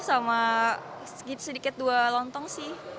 sama sedikit dua lontong sih